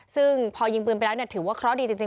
ซึ่งพอยิงปืนไปแล้วถือว่าเคราะห์ดีจริง